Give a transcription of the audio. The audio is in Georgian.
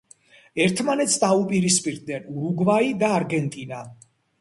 ერთმანეთს დაუპირისპირდნენ ურუგვაი და არგენტინა.